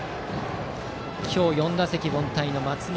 今日４打席凡退の松本。